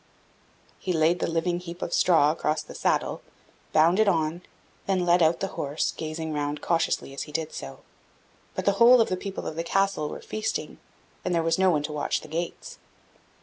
He laid the living heap of straw across the saddle, bound it on, then led out the horse, gazing round cautiously as he did so; but the whole of the people of the Castle were feasting, and there was no one to watch the gates.